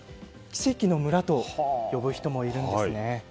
奇跡の村と呼ぶ人もいるんですね。